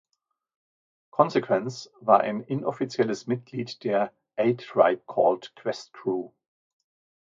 Consequence war ein inoffizielles Mitglied der A-Tribe-Called-Quest-Crew.